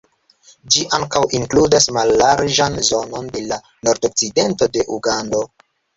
Ĝi ankaŭ inkludas mallarĝan zonon de la nordokcidento de Ugando.